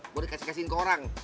boleh dikasih kasihin ke orang